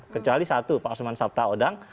kecuali satu pak osman sabta odang